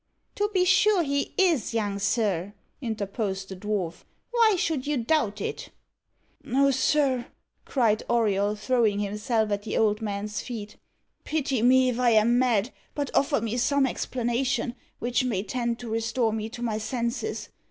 "To be sure he is, young sir," interposed the dwarf. "Why should you doubt it?" "O sir," cried Auriol, throwing himself at the old man's feet, "pity me if I am mad; but offer me some explanation, which may tend to restore me to my senses.